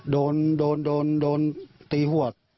โดนโดนตีหัว